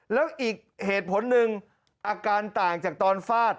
แล้วอีกเหตุผลหนึ่งอาการต่างจากตอนฟาด